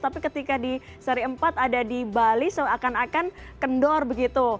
tapi ketika di seri empat ada di bali seakan akan kendor begitu